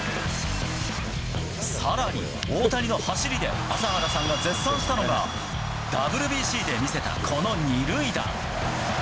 さらに、大谷の走りで朝原さんが絶賛したのが、ＷＢＣで見せたこの２塁打。